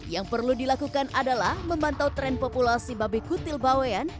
yang perlu dilakukan adalah memantau tren populasi babi kutil bawean